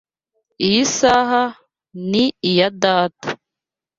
Iyi saha ni iya data.